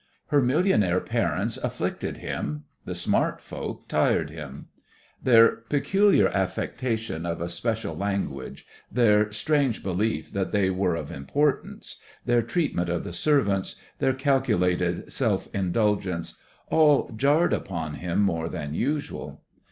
Her millionaire parents afflicted him, the smart folk tired him. Their peculiar affectation of a special language, their strange belief that they were of importance, their treatment of the servants, their calculated self indulgence, all jarred upon him more than usual.